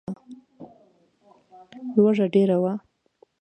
لوږه ډېره وه.